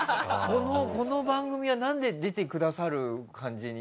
この番組はなんで出てくださる感じに。